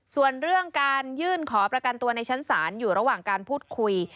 ส่วนเรื่องการยื่นขอประกันตัวในชั้นศาลอยู่ระหว่างการพูดคุย